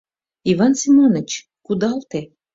Иван Семоныч, кудалте!